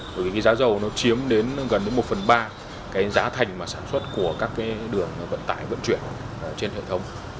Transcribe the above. bởi vì giá dầu nó chiếm đến gần đến một phần ba cái giá thành mà sản xuất của các cái đường vận tải vận chuyển trên hệ thống